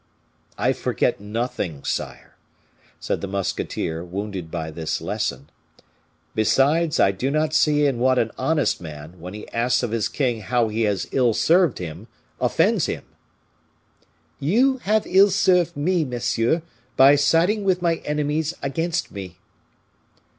"I forget nothing, sire," said the musketeer, wounded by this lesson. "Besides, I do not see in what an honest man, when he asks of his king how he has ill served him, offends him." "You have ill served me, monsieur, by siding with my enemies against me."